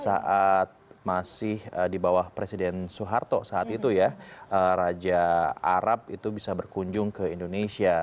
saat masih di bawah presiden soeharto saat itu ya raja arab itu bisa berkunjung ke indonesia